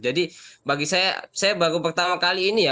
jadi bagi saya saya baru pertama kali ini ya